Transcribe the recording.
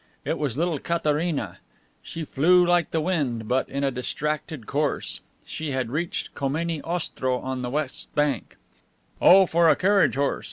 It was little Katharina. She flew like the wind, but in a distracted course. She had reached Kameny Ostrow on the west bank. "Oh, for a carriage, a horse!"